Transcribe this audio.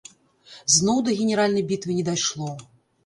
Зноў да генеральнай бітвы не дайшло.